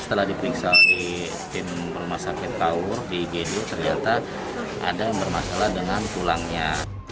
setelah diperiksa di tim rumah sakit kaur di gd ternyata ada yang bermasalah dengan tulangnya